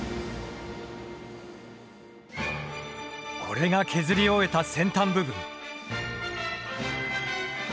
これが削り終えた先端部分。